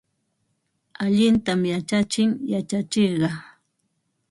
Allintam yachachin yachachiqqa.